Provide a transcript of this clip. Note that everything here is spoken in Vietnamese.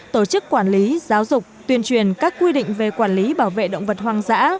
tổ chức quản lý giáo dục tuyên truyền các quy định về quản lý bảo vệ động vật hoang dã